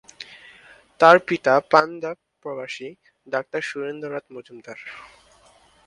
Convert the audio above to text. তার পিতা পাঞ্জাব-প্রবাসী ডাক্তার সুরেন্দ্রনাথ মজুমদার।